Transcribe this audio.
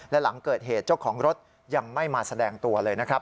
และหลังเกิดเหตุเจ้าของรถยังไม่มาแสดงตัวเลยนะครับ